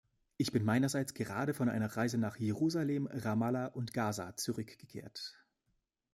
Ich bin meinerseits gerade von einer Reise nach Jerusalem, Ramallah und Gaza zurückgekehrt.